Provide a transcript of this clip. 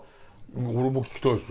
俺も聞きたいです